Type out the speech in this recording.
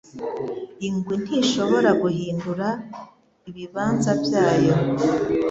Ingwe ntishobora guhindura ibibanza byayo